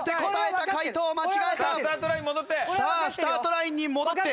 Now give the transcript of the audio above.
さあスタートラインに戻って。